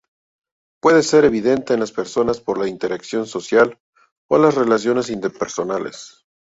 Puede ser evidente en las personas por la interacción social o las relaciones interpersonales.